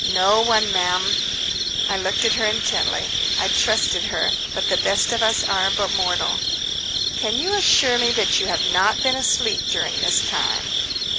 "No one, ma'am." I looked at her intently. I trusted her, but the best of us are but mortal. "Can you assure me that you have not been asleep during this time?"